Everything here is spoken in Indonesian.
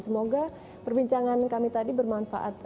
semoga perbincangan kami tadi bermanfaat